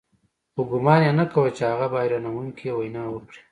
خو ګومان يې نه کاوه چې هغه به حيرانوونکې وينا وکړي.